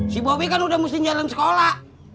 si bobi kan udah mesti jalan sekolah